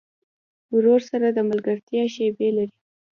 ورور سره د ملګرتیا شیبې لرې.